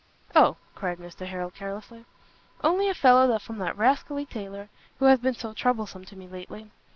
"O," cried Mr Harrel, carelessly, "only a fellow from that rascally taylor who has been so troublesome to me lately.